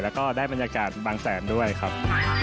แล้วก็ได้บรรยากาศบางแสนด้วยครับ